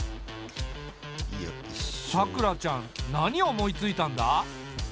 さくらちゃん何思いついたんだ？